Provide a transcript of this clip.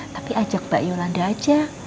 tapi ajak mbak yolanda aja